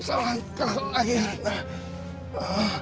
senangkah lagi datuk